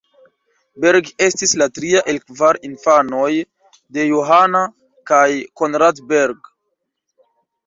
Berg estis la tria el kvar infanoj de Johanna kaj Conrad Berg.